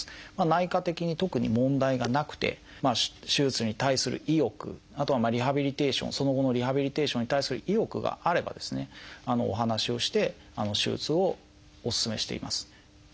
内科的に特に問題がなくて手術に対する意欲あとはリハビリテーションその後のリハビリテーションに対する意欲があればですねお話をして手術をお勧めしています。